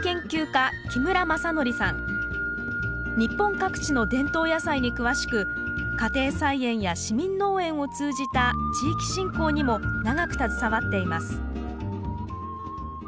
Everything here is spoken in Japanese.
日本各地の伝統野菜に詳しく家庭菜園や市民農園を通じた地域振興にも長く携わっています